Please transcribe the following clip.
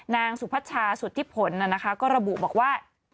นางสุภัชชาสุธิพลน่ะนะคะก็ระบุบอกว่า